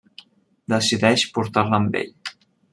Decideix portar-la amb ell.